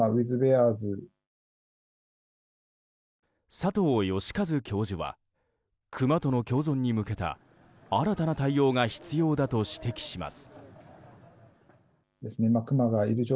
佐藤喜和教授はクマとの共存に向けた新たな対応が必要だと指摘します。